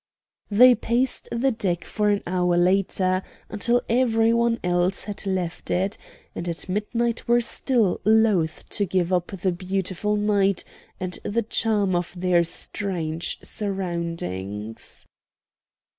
They paced the deck for an hour later, until every one else had left it, and at midnight were still loath to give up the beautiful night and the charm of their strange surroundings.